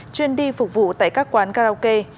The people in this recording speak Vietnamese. chuyên đi phục vụ tại các quán karaoke